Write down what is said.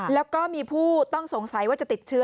แล้วก็มีผู้ต้องสงสัยว่าจะติดเชื้อ